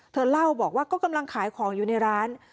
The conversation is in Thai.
เธอเล่าบอกว่าก็กำลังขายของอยู่ในร้าน